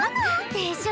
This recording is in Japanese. でしょ